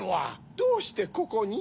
どうしてここに？